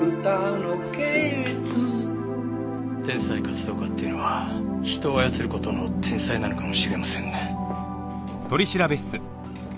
天才活動家っていうのは人を操る事の天才なのかもしれませんね。